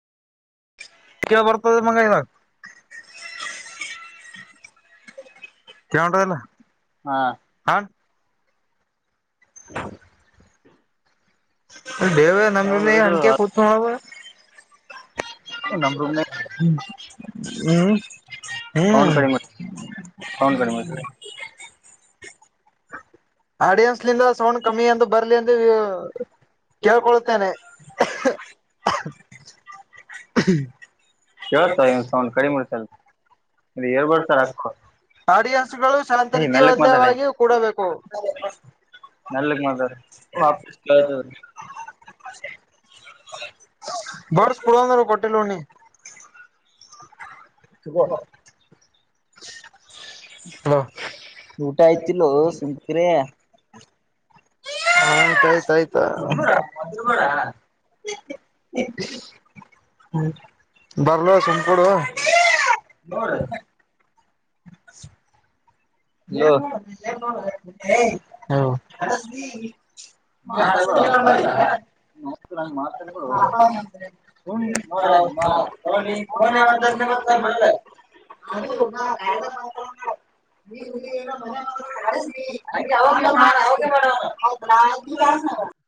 ಬರ್ತದೆ ಮಂಗೈಾಗ ಕಟದಲ್ಲ ಹಾ ಹ ಹ ಹ್ಮ ವ ನಮ್ದ ಹಕ ಕೂಸು ಹ ನ ರೂಮ ಹ್ಮ ಸೌಂಡ್ ಕಡಿಮೆ ಹ್ಮ್ ಸೌಂಡ್ ಕಡಿಮೆ ಹ್ಮ್ ಆಡಿಯನ್ಸ್ ನಿಂದ ಸೌಂಡ್ ಕಮ್ಮಿ ಅಂತ ಬರ್ಲಿ ಅ ಎಂದು ಕೇಳ್ಕೊಳ್ ತ್ತೇನೆ ಹ್ಮ್ ಕೇಳ್ತ ಇವನ್ ಸೌಂಡ್ ಕಡಿಮ ಸರ್ ಇ ಎಳ್ಬಾರ ಸರ್ ಅಕ್ಕೋ ಆಡಿಯನ್ಸ್ ಗಳು ಶಾಂತ ರೀತ ಒಂದವಾಗಿ ಕೂಡಬೇಕು ಮೆಲ್ಲಕ್ ಮಾತಾಡ ಹ ವಾಪಸ್ ಕೇಳ್ತದ ಬರ್ಸ್ ಪುಡಂದರು ಕಟ್ಟಲುಣಿ ತಗೋ ಹ ಊಟ ಆಯ್ತಿಲ್ಲೋ ಸುಂಕಕ್ರೆ ಹ್ಮ್ತ ಆಯ್ತ ಆಾಯ್ತಾ ಹ್ಮ ಬರ್ಲ ಸುಮ್ಕೂಡೋ ಯೋ [unintelligible] ಹ್ಮ [unintelligible] [unintelligible] [unintelligible] [unintelligible]